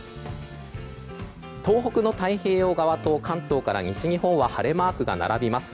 東北の太平洋側と関東から西日本は晴れマークが並びます。